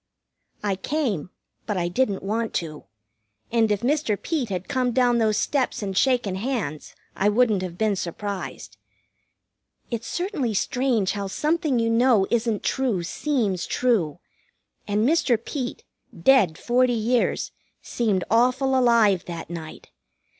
I came; but I didn't want to. And if Mr. Peet had come down those steps and shaken hands I wouldn't have been surprised. It's certainly strange how something you know isn't true seems true; and Mr. Peet, dead forty years, seemed awful alive that night.